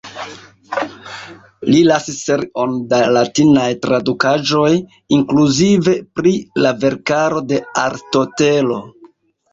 Li lasis serion da latinaj tradukaĵoj, inkluzive pri la verkaro de Aristotelo.